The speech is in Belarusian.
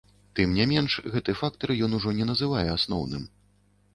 Тым не менш, гэты фактар ён ужо не называе асноўным.